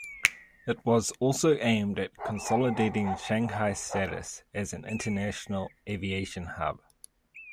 It was also aimed at consolidating Shanghai's status as an international aviation hub.